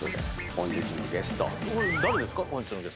本日のゲストは。